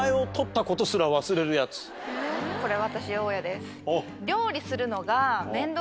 これ私大家です。